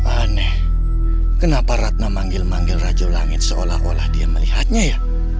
aneh kenapa ratna manggil manggil raja langit seolah olah dia melihatnya ya